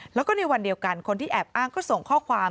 แล้วก็ในวันเดียวกันคนที่แอบอ้างก็ส่งข้อความ